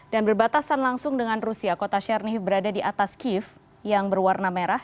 dan berbatasan langsung dengan rusia kota chernihiv berada di atas kiv yang berwarna merah